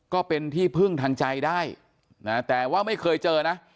ก็เป็นที่พึ่งทางใจได้นะแต่ว่าไม่เคยเจอนะ